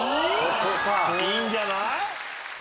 いいんじゃない？